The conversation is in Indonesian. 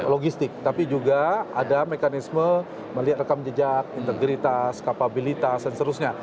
logistik tapi juga ada mekanisme melihat rekam jejak integritas kapabilitas dan seterusnya